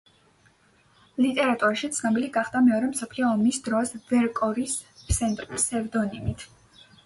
ლიტერატურაში ცნობილი გახდა მეორე მსოფლიო ომის დროს ვერკორის ფსევდონიმით.